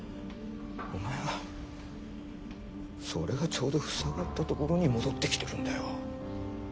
お前はそれがちょうど塞がったところに戻ってきてるんだよ。